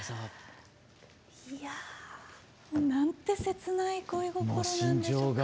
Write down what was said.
いやなんて切ない恋心なんでしょうか。